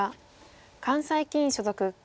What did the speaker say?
関西棋院所属。